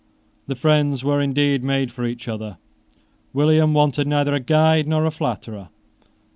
The friends were indeed made for each other. William wanted neither a guide nor a flatterer.